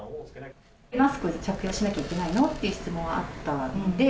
マスク着用しなければいけないのという質問があったので。